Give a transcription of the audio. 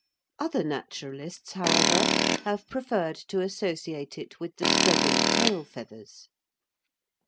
Other naturalists, however, have preferred to associate it with the spreading tail feathers.